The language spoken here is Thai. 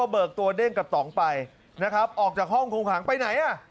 เบิกตัวเด้งกับตองไปออกจากห้องคงขังไปไหน